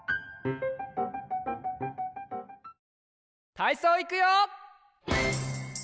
たいそういくよ！